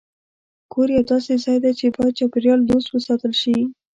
کور یو داسې ځای دی چې باید چاپېریال دوست وساتل شي.